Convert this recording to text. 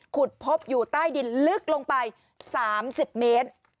ขุดพบอยู่ใต้ดินลึกลงไป๓๐เมตร